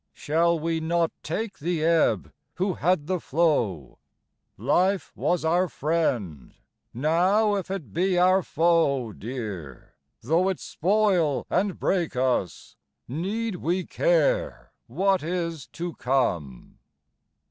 Shall we not take the ebb who had the flow? Life was our friend. Now, if it be our foe Dear, though it spoil and break us! need we care What is to come?